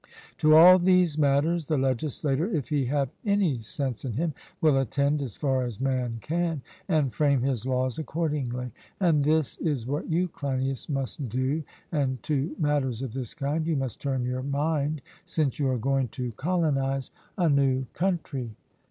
To all these matters the legislator, if he have any sense in him, will attend as far as man can, and frame his laws accordingly. And this is what you, Cleinias, must do, and to matters of this kind you must turn your mind since you are going to colonize a new country.